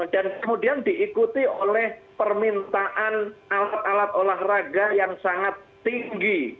dan kemudian diikuti oleh permintaan alat alat olahraga yang sangat tinggi